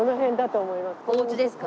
おうちですか？